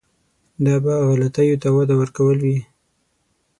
دا به غلطیو ته وده ورکول وي.